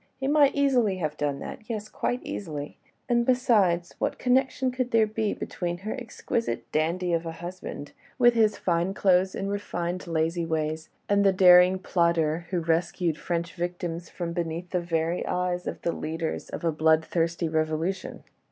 He might easily have done that ... yes ... quite easily ... and ... besides ... what connection could there be between her exquisite dandy of a husband, with his fine clothes and refined, lazy ways, and the daring plotter who rescued French victims from beneath the very eyes of the leaders of a bloodthirsty revolution?